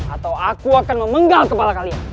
atau aku akan memenggal kepala kalian